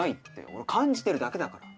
俺感じてるだけだから。